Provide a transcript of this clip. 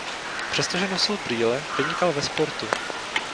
Přestože nosil brýle vynikal ve sportu.